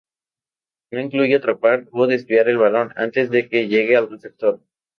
No incluye atrapar o desviar el balón antes de que llegue al receptor.